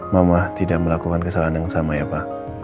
mama tidak melakukan kesalahan yang sama ya pak